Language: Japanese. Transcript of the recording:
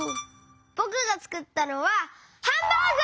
ぼくがつくったのはハンバーグ！